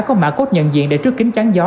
có mã cốt nhận diện để trước kính trắng gió